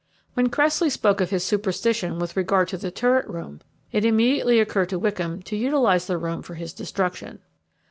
When Cressley spoke of his superstition with regard to the turret room, it immediately occurred to Wickham to utilize the room for his destruction.